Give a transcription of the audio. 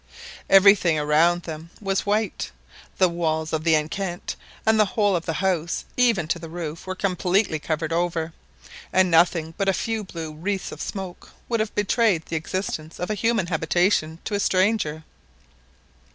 Everything around them was white, the walls of the enceinte, and the whole of the house even to the roof were completely covered over, and nothing but a few blue wreaths of smoke would have betrayed the existence of a human habitation to a stranger.